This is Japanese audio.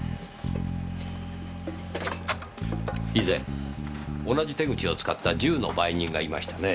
以前同じ手口を使った銃の売人がいましたね？